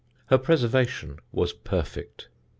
Her preservation was perfect.